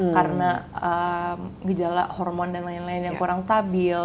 karena gejala hormon dan lain lain yang kurang stabil